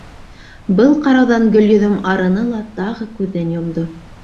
Был ҡарауҙан Гөлйөҙөм арыны ла тағы күҙен йомдо.